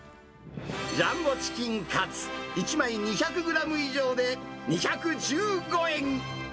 ジャンボチキンカツ１枚２００グラム以上で２１５円。